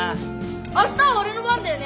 明日は俺の番だよね？